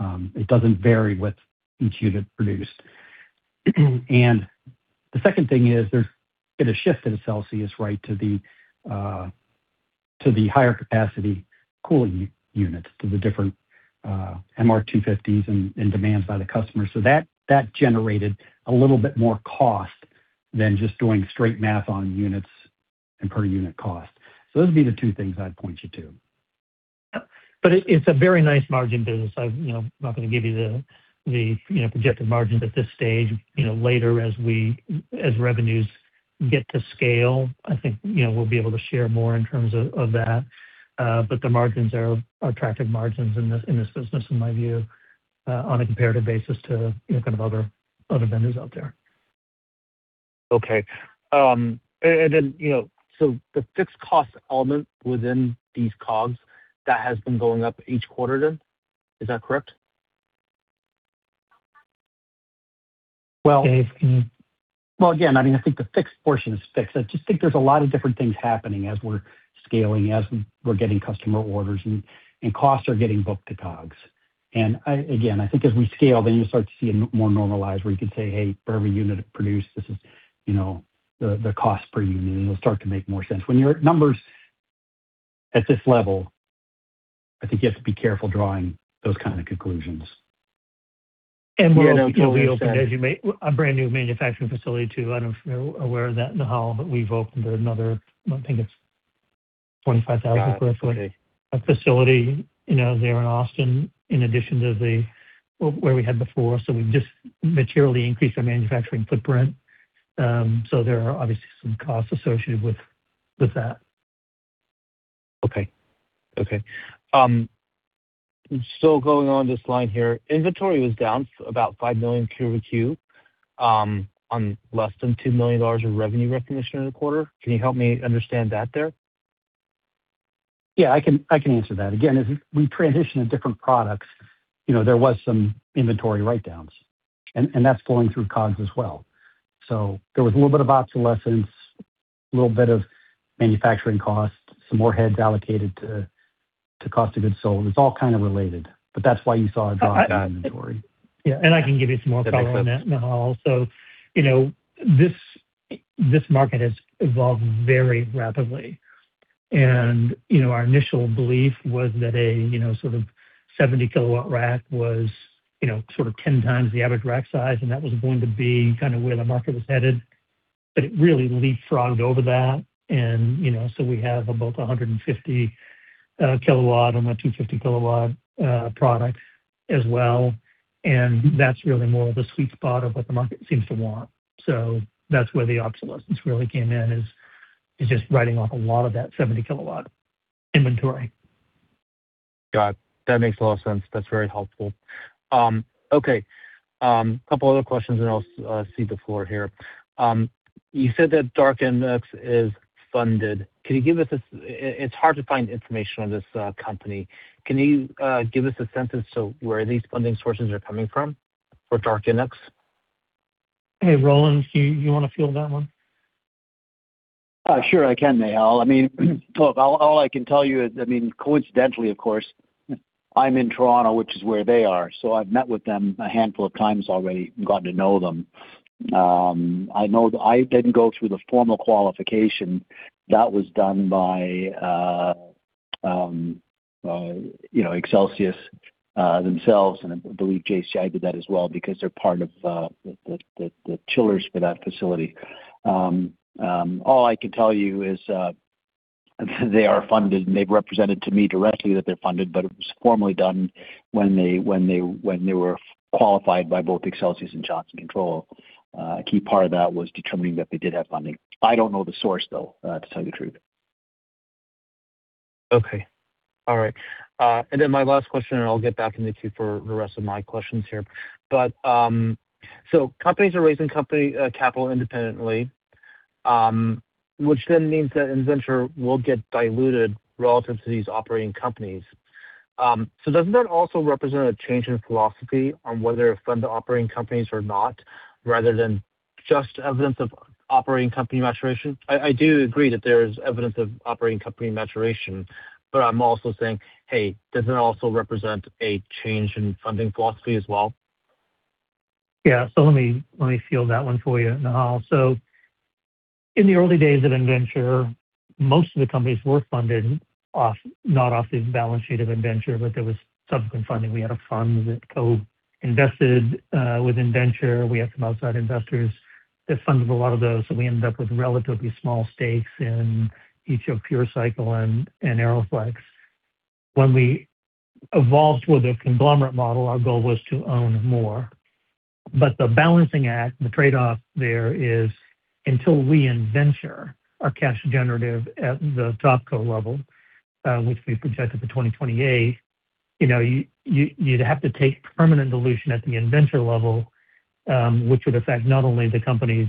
It doesn't vary with each unit produced. The second thing is there's been a shift at Accelsius, right, to the higher capacity cooling units, to the different MR250s and demands by the customer. That generated a little bit more cost than just doing straight math on units and per unit cost. Those would be the two things I'd point you to. It's a very nice margin business. I'm, you know, not gonna give you the projected margins at this stage. You know later as revenues get to scale, I think you know we'll be able to share more in terms of that. But the margins are attractive margins in this business, in my view, on a comparative basis to, you know, kind of other vendors out there. Okay. You know, so the fixed cost element within these COGS that has been going up each quarter then, is that correct? Well. Dave? Well, again, I mean, I think the fixed portion is fixed. I just think there's a lot of different things happening as we're scaling, as we're getting customer orders and costs are getting booked to COGS. I, again, I think as we scale, then you'll start to see it more normalized where you can say, "Hey, for every unit produced, this is, you know, the cost per unit," and it'll start to make more sense. When your numbers at this level, I think you have to be careful drawing those kind of conclusions. We also reopened a brand new manufacturing facility too. I don't know if you're aware of that, Nehal, but we've opened another, I think it's 25,000 sq ft facility, you know, there in Austin, in addition to where we had before. We just materially increased our manufacturing footprint. There are obviously some costs associated with that. Okay. Going on this line here, inventory was down about $5 million QoQ on less than $2 million of revenue recognition in the quarter. Can you help me understand that there? Yeah, I can answer that. Again, as we transition to different products, you know, there was some inventory write-downs, and that's flowing through COGS as well. There was a little bit of obsolescence. A little bit of manufacturing costs, some more heads allocated to cost of goods sold. It's all kind of related, but that's why you saw a drop in inventory. Yeah. I can give you some more color on that, Nehal. You know, this market has evolved very rapidly. You know, our initial belief was that a, you know, sort of 70-kW rack was, you know, sort of 10 times the average rack size, and that was going to be kind of where the market was headed. It really leapfrogged over that and, you know, we have about a 150-kW and a 250-kW product as well. That's really more of the sweet spot of what the market seems to want. That's where the obsolescence really came in, is just writing off a lot of that 70-kW inventory. Got it. That makes a lot of sense. That's very helpful. Okay. Couple other questions, and I'll cede the floor here. You said that DarkNX is funded. Can you give us, it's hard to find information on this company, can you give us a sense as to where these funding sources are coming from for DarkNX? Hey, Roland, do you wanna field that one? Sure I can, Nehal. I mean, look, all I can tell you is, I mean, coincidentally, of course, I'm in Toronto, which is where they are, so I've met with them a handful of times already and gotten to know them. I didn't go through the formal qualification. That was done by, you know, Accelsius themselves, and I believe JCI did that as well because they're part of the chillers for that facility. All I can tell you is, they are funded, and they've represented to me directly that they're funded, but it was formally done when they were qualified by both Accelsius and Johnson Controls. A key part of that was determining that they did have funding. I don't know the source, though, to tell you the truth. Okay. All right. My last question, and I'll get back in the queue for the rest of my questions here. Companies are raising company capital independently, which then means that Innventure will get diluted relative to these operating companies. Doesn't that also represent a change in philosophy on whether to fund the operating companies or not, rather than just evidence of operating company maturation? I do agree that there's evidence of operating company maturation, but I'm also saying, "Hey, doesn't it also represent a change in funding philosophy as well?" Yeah. Let me field that one for you, Nehal. In the early days of Innventure, most of the companies were funded off, not off the balance sheet of Innventure, but there was subsequent funding. We had a fund that co-invested with Innventure. We had some outside investors that funded a lot of those. We ended up with relatively small stakes in each of PureCycle and AeroFlexx. When we evolved with a conglomerate model, our goal was to own more. The balancing act, the trade-off there is, until we, Innventure, are cash generative at the TopCo level, which we projected to 2028, you know, you'd have to take permanent dilution at the Innventure level, which would affect not only the companies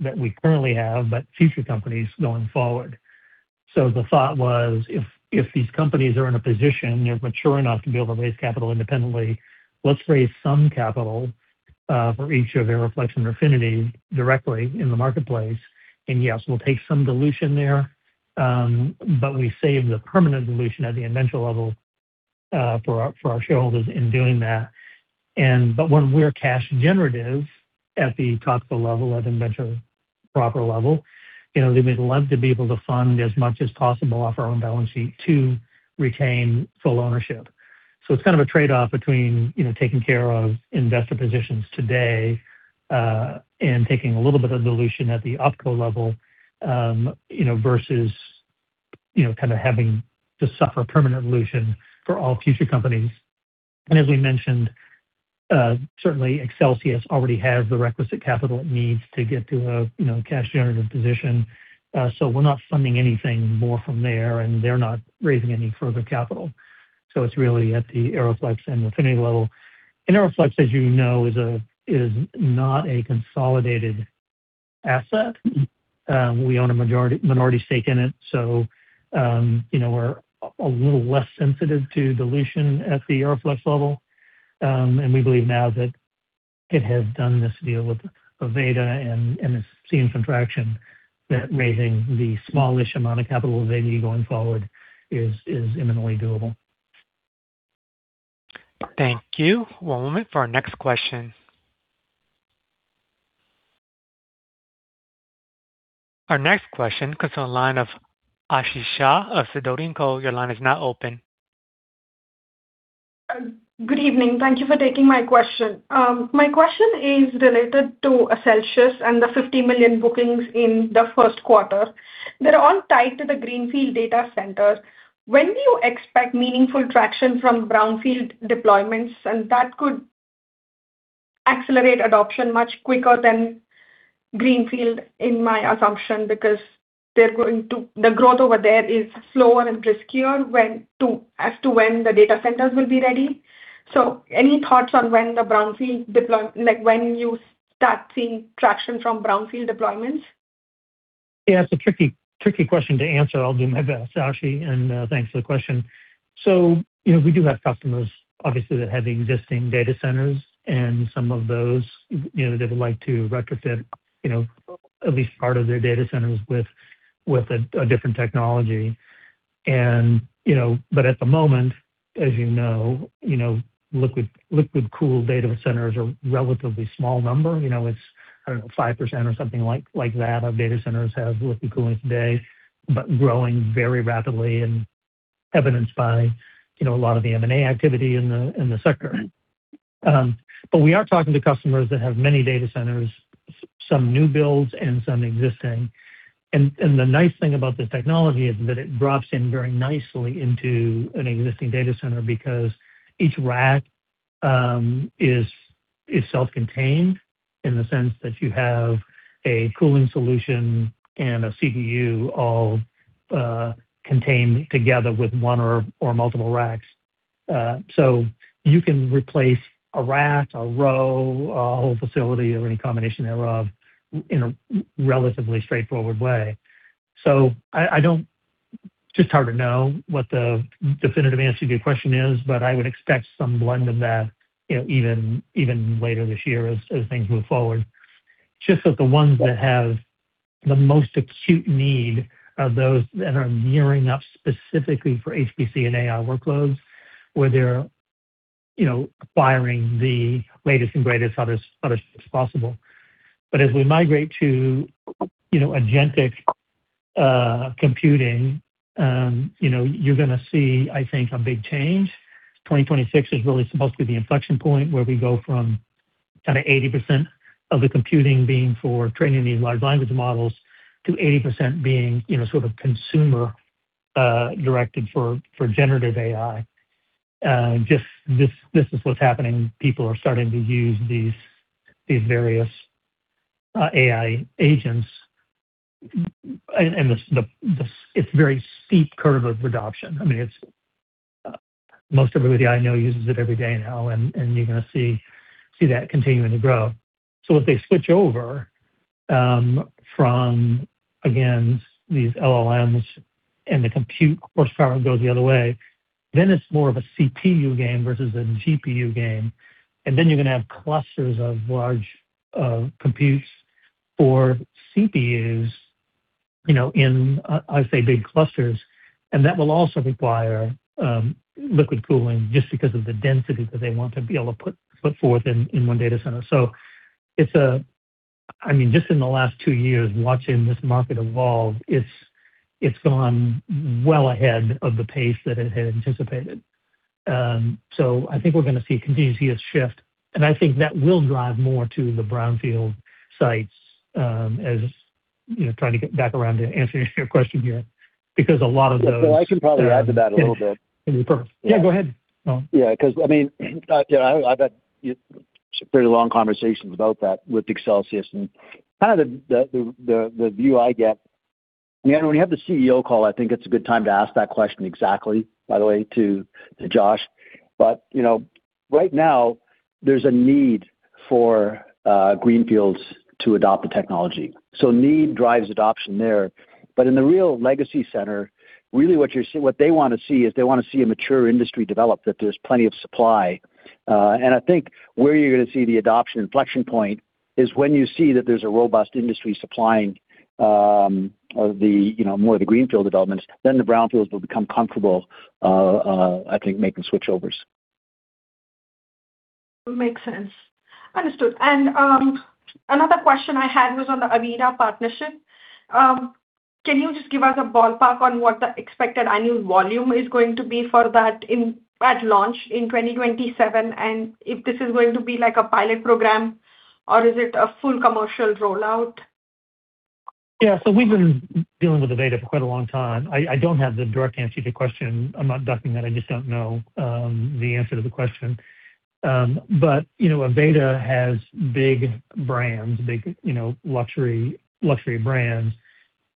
that we currently have, but future companies going forward. The thought was, if these companies are in a position, they're mature enough to be able to raise capital independently, let's raise some capital for each of AeroFlexx and Refinity directly in the marketplace. Yes, we'll take some dilution there, but we save the permanent dilution at the Innventure level for our shareholders in doing that. But when we're cash generative at the TopCo level, at Innventure proper level, you know, then we'd love to be able to fund as much as possible off our own balance sheet to retain full ownership. It's kind of a trade-off between, you know, taking care of investor positions today, and taking a little bit of dilution at the OpCo level, you know, versus, you know, kind of having to suffer permanent dilution for all future companies. As we mentioned, certainly Accelsius already has the requisite capital it needs to get to a, you know, cash generative position. We're not funding anything more from there, and they're not raising any further capital. It's really at the AeroFlexx and Refinity level. AeroFlexx, as you know, is not a consolidated asset. We own a minority stake in it, so, you know, we're a little less sensitive to dilution at the AeroFlexx level. We believe now that it has done this deal with Aveda and is seeing some traction that raising the smallish amount of capital they need going forward is imminently doable. Thank you. One moment for our next question. Our next question comes on the line of Aashi Shah of Sidoti & Co. Your line is now open. Good evening. Thank you for taking my question. My question is related to Accelsius and the $50 million bookings in the first quarter. They're all tied to the greenfield data centers. When do you expect meaningful traction from brownfield deployments? That could accelerate adoption much quicker than greenfield, in my assumption, because the growth over there is slower and riskier as to when the data centers will be ready. Any thoughts on when, like, you start seeing traction from brownfield deployments? Yeah. It's a tricky question to answer. I'll do my best, Aashi, and thanks for the question. You know, we do have customers obviously that have existing data centers and some of those, you know, that would like to retrofit, you know, at least part of their data centers with a different technology. But at the moment, as you know, you know, liquid cooled data centers are relatively small number. You know, I don't know, 5% or something like that of data centers have liquid cooling today, but growing very rapidly and evidenced by, you know, a lot of the M&A activity in the sector. But we are talking to customers that have many data centers, some new builds and some existing. The nice thing about this technology is that it drops in very nicely into an existing data center because each rack is self-contained in the sense that you have a cooling solution and a CPU all contained together with one or multiple racks. You can replace a rack, a row, a whole facility or any combination thereof in a relatively straightforward way. It's just hard to know what the definitive answer to your question is, but I would expect some blend of that, you know, even later this year as things move forward. The ones that have the most acute need are those that are gearing up specifically for HPC and AI workloads, where they're, you know, acquiring the latest and greatest other systems possible. As we migrate to, you know, agentic computing, you know, you're gonna see, I think, a big change. 2026 is really supposed to be the inflection point where we go from kinda 80% of the computing being for training these large language models to 80% being, you know, sort of consumer directed for generative AI. Just this is what's happening. People are starting to use these various AI agents. It's very steep curve of adoption. I mean, it's most, everybody I know uses it every day now and you're gonna see that continuing to grow. If they switch over from, again, these LLMs and the compute horsepower goes the other way, then it's more of a CPU game versus a GPU game. Then you're gonna have clusters of large computes for CPUs, you know, I say big clusters. That will also require liquid cooling just because of the density that they want to be able to put forth in one data center. It's a I mean, just in the last two years, watching this market evolve, it's gone well ahead of the pace that it had anticipated. I think we're gonna see continue to see a shift, and I think that will drive more to the brownfield sites, you know, trying to get back around to answering your question here. A lot of those. Well, I can probably add to that a little bit. Yeah. It'd be perfect. Yeah, go ahead, Roland. Yeah, 'cause I mean, you know, I've had pretty long conversations about that with Accelsius and kind of the view I get. You know, when you have the CEO call, I think it's a good time to ask that question exactly, by the way, to Josh. Right now, there's a need for greenfields to adopt the technology. Need drives adoption there. In the real legacy center, really what they wanna see is they wanna see a mature industry develop, that there's plenty of supply. I think where you're gonna see the adoption inflection point is when you see that there's a robust industry supplying, you know, more of the greenfield developments, then the brownfields will become comfortable, I think, making switchovers. Makes sense. Understood. Another question I had was on the Aveda partnership. Can you just give us a ballpark on what the expected annual volume is going to be for that at launch in 2027, and if this is going to be like a pilot program or is it a full commercial rollout? Yeah. We've been dealing with Aveda for quite a long time. I don't have the direct answer to your question. I'm not ducking that, I just don't know the answer to the question. You know, Aveda has big brands, you know, luxury brands.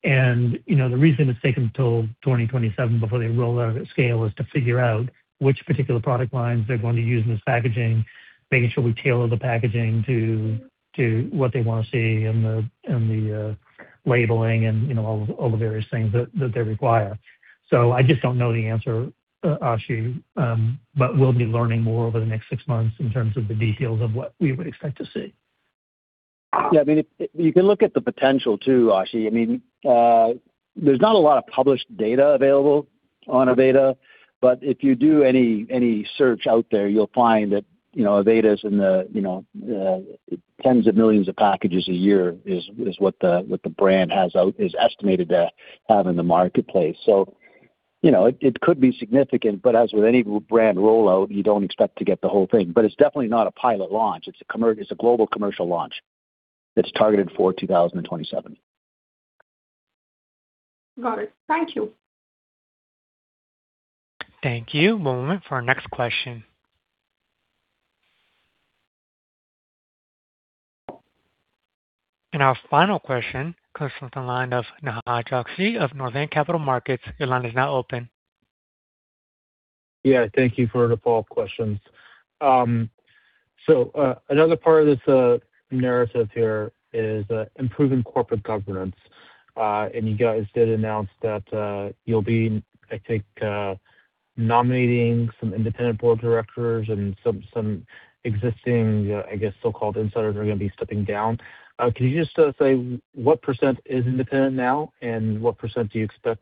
You know, the reason it's taken till 2027 before they roll out at scale is to figure out which particular product lines they're going to use in this packaging, making sure we tailor the packaging to what they wanna see in the labeling and you know, all the various things that they require. I just don't know the answer, Aashi, but we'll be learning more over the next six months in terms of the details of what we would expect to see. Yeah, I mean, you can look at the potential too, Aashi. I mean, there's not a lot of published data available on Aveda, but if you do any search out there, you'll find that, you know, Aveda's in the tens of millions of packages a year is what the brand is estimated to have in the marketplace. You know, it could be significant, but as with any brand rollout, you don't expect to get the whole thing. It's definitely not a pilot launch. It's a global commercial launch that's targeted for 2027. Got it. Thank you. Thank you. One moment for our next question. Our final question comes from the line of Nehal Chokshi of Northland Capital Markets. Your line is now open. Thank you for the follow-up questions. Another part of this narrative here is improving corporate governance. You guys did announce that you'll be, I think, nominating some independent Board of Directors and some existing, I guess, so-called insiders are gonna be stepping down. Can you just say what percent is independent now and what percent do you expect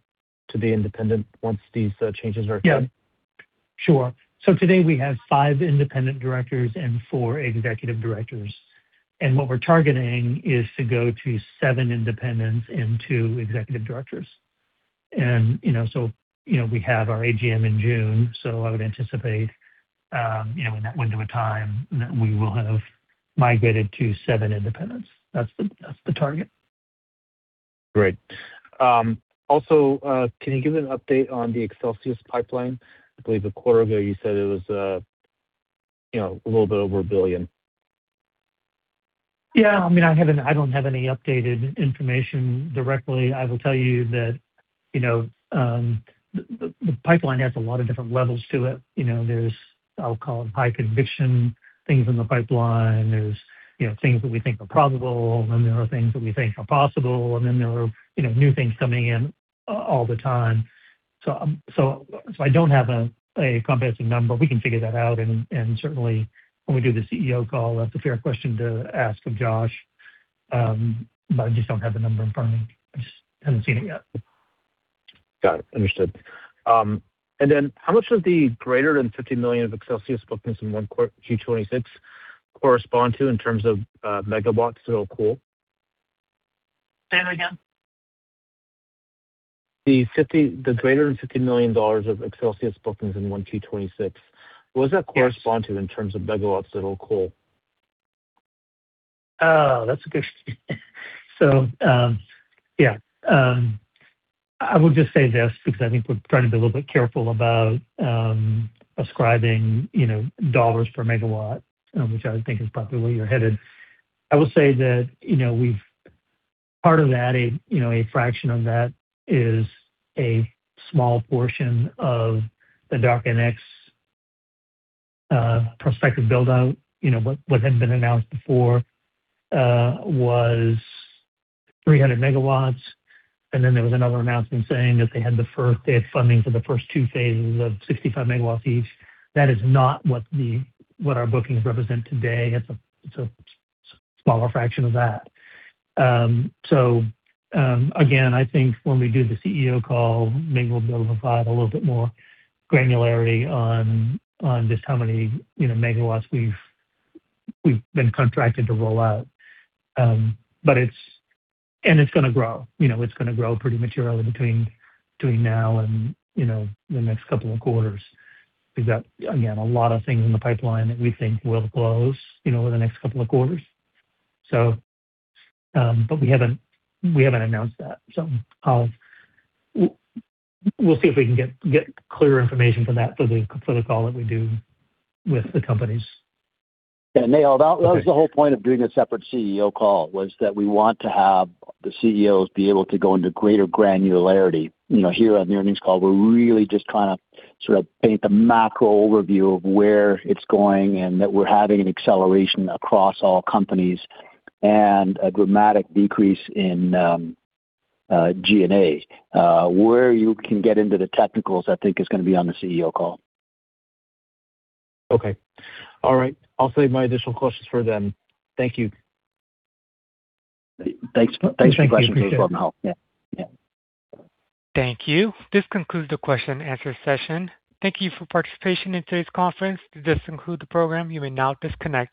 to be independent once these changes are made? Yeah. Sure. Today we have five independent directors and four executive directors. What we're targeting is to go to seven independents and two executive directors. You know, we have our AGM in June. I would anticipate, you know, in that window of time we will have migrated to seven independents. That's the target. Great. Also, can you give an update on the Accelsius pipeline? I believe a quarter ago you said it was, you know, a little bit over $1 billion. Yeah, I mean, I don't have any updated information directly. I will tell you that, you know, the pipeline has a lot of different levels to it. You know, there's, I'll call it high conviction things in the pipeline. There's, you know, things that we think are probable, and there are things that we think are possible, and then there are, you know, new things coming in all the time. I don't have a comprehensive number. We can figure that out and certainly when we do the CEO call, that's a fair question to ask of Josh. I just don't have the number in front of me. I just haven't seen it yet. Got it. Understood. How much of the greater than $50 million of Accelsius bookings in 1Q 2026 correspond to in terms of megawatts of total cooling? Say that again. The greater than $50 million of Accelsius bookings in 1Q 2026, what does that correspond to in terms of megawatts of total cooling? I will just say this because I think we're trying to be a little bit careful about ascribing, you know, dollars per megawatt, which I think is probably where you're headed. I will say that, you know, part of that, a fraction of that is a small portion of the DarkNX prospective build-out. You know, what had been announced before was 300 MW, and then there was another announcement saying that they had the first funding for the first two phases of 65 MW each. That is not what our bookings represent today. It's a smaller fraction of that. Again, I think when we do the CEO call, maybe we'll be able to provide a little bit more granularity on just how many, you know, megawatts we've been contracted to roll out. It's gonna grow. You know, it's gonna grow pretty materially between now and, you know, the next couple of quarters. We've got, again, a lot of things in the pipeline that we think will close, you know, over the next couple of quarters. But we haven't announced that. We'll see if we can get clearer information for that for the call that we do with the companies. Yeah, Nehal, that was the whole point of doing a separate CEO call, was that we want to have the CEOs be able to go into greater granularity. You know, here on the earnings call, we're really just trying to sort of paint the macro overview of where it's going and that we're having an acceleration across all companies and a dramatic decrease in G&A. Where you can get into the technicals, I think, is gonna be on the CEO call. Okay. All right. I'll save my additional questions for then. Thank you. Thanks for the question. Thank you. Appreciate it. Yeah. Yeah. Thank you. This concludes the question and answer session. Thank you for participation in today's conference. To disconnect the program, you may now disconnect.